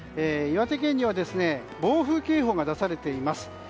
岩手県には暴風警報が出されています。